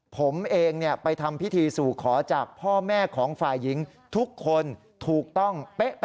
ผมเองไปทำพิธีสู่ขอจากพ่อแม่ของฝ่ายหญิงทุกคนถูกต้องเป๊ะ